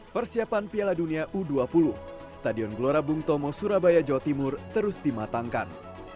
persiapan piala dunia u dua puluh stadion gelora bung tomo surabaya jawa timur terus dimatangkan